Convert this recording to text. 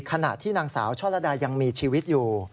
ขณะที่นางสาวช่อระดายังมีชีวิตอยู่